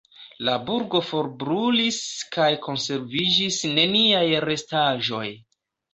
La burgo forbrulis kaj konserviĝis neniaj restaĵoj.